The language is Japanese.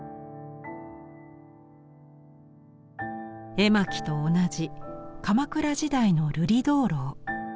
絵巻と同じ鎌倉時代の瑠璃燈籠。